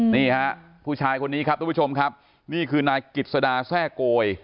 นี่ฮะผู้ชายคนนี้ครับทุกผู้ชมครับนี่คือนายกิจสดาแทร่โกย